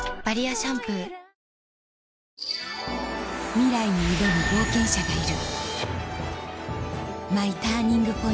ミライに挑む冒険者がいる